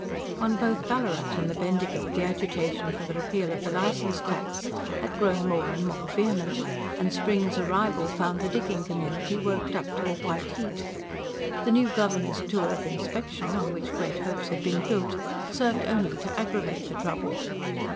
On both Ballarat and the Bendigo the agitation for the repeal of the licence tax had grown more and more vehement; and spring's arrival found the digging community worked up to a white heat. The new Governor's tour of inspection, on which great hopes had been built, served only to aggravate the trouble.